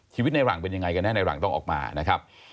ในหลังเป็นยังไงกันแน่ในหลังต้องออกมานะครับ